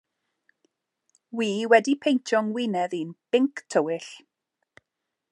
Wi wedi peinto 'ngwinedd i'n binc tywyll.